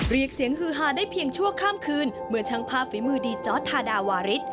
เรียกเสียงฮือฮาได้เพียงชั่วข้ามคืนเมื่อช่างภาพฝีมือดีจอร์ดทาดาวาริส